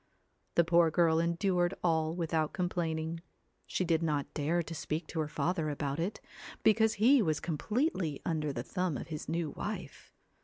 The poor girl endured all without complaining. She did not dare to speak to her father about it, because he was completely under the thumb of his new wife.